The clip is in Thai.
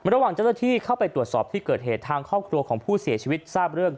ระหว่างเจ้าหน้าที่เข้าไปตรวจสอบที่เกิดเหตุทางครอบครัวของผู้เสียชีวิตทราบเรื่อง